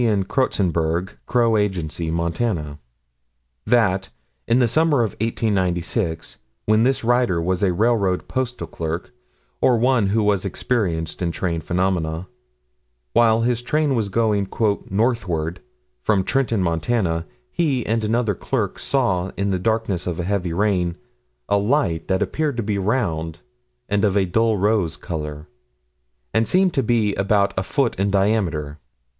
N. Crotsenburg, Crow Agency, Montana: That, in the summer of 1896, when this writer was a railroad postal clerk or one who was experienced in train phenomena while his train was going "northward," from Trenton, Mo., he and another clerk saw, in the darkness of a heavy rain, a light that appeared to be round, and of a dull rose color, and seemed to be about a foot in diameter.